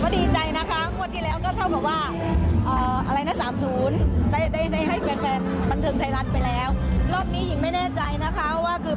ดีใจนะคะวันที่แล้วก็เท่ากับว่า